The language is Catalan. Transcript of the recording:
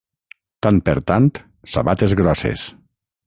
Tant per tant, sabates grosses.